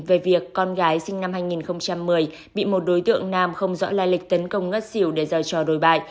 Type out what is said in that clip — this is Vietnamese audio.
về việc con gái sinh năm hai nghìn một mươi bị một đối tượng nam không rõ lai lịch tấn công ngất xỉu để dở cho đổi bại